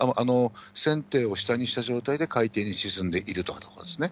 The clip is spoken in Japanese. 船艇を下にした状態で海底に沈んでいるということですね。